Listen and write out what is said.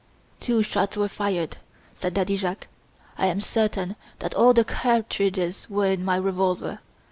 "Two shots were fired," said Daddy Jacques. "I am certain that all the cartridges were in my revolver.